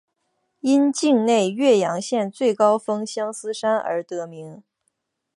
因境内岳阳县最高峰相思山而得名。